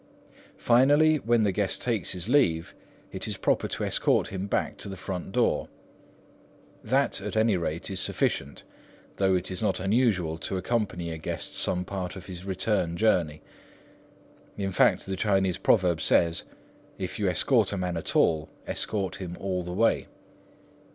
Finally, when the guest takes his leave, it is proper to escort him back to the front door. That, at any rate, is sufficient, though it is not unusual to accompany a guest some part of his return journey. In fact, the Chinese proverb says, "If you escort a man at all, escort him all the way."